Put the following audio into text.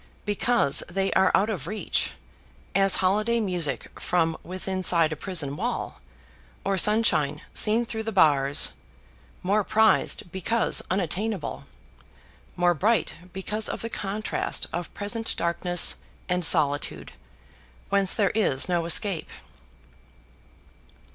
because they are out of reach; as holiday music from withinside a prison wall or sunshine seen through the bars; more prized because unattainable more bright because of the contrast of present darkness and solitude, whence there is no escape.